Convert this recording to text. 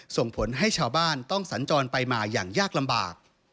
ส่งผลให้ชาวบ้านต้องสัญจรไปมาอย่างยากลำบาก